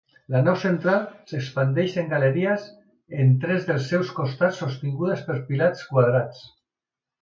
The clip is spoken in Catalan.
La nau central s'expandeix en galeries en tres dels seus costats sostingudes per pilars quadrats.